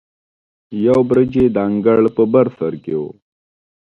یو برج یې د انګړ په بر سر کې و.